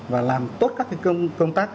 và làm tốt các cái công tác